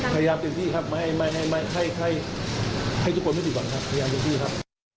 พยายามเตรียมที่ครับให้ทุกคนเตรียมที่ก่อนครับพยายามเตรียมที่ครับ